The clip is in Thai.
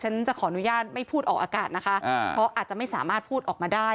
จะขออนุญาตไม่พูดออกอากาศนะคะเพราะอาจจะไม่สามารถพูดออกมาได้